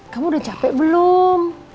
kamu udah capek belum